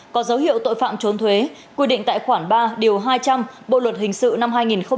có dấu hiệu tội phạm trốn thuế quy định tại khoản ba điều hai trăm linh bộ luật hình sự năm hai nghìn một mươi năm